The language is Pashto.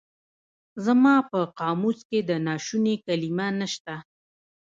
زما په قاموس کې د ناشوني کلمه نشته.